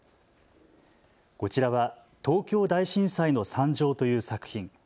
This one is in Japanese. こちらは東京大震災の惨状という作品。